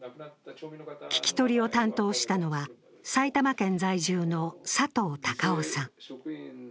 聞き取りを担当したのは埼玉県在住の佐藤孝雄さん。